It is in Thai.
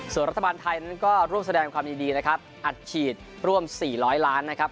ส่วนรัฐบาลไทยนั้นก็ร่วมแสดงความยินดีนะครับอัดฉีดร่วม๔๐๐ล้านนะครับ